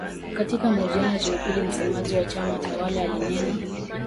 Katika mahojiano ya Jumapili, msemaji wa chama tawala alinena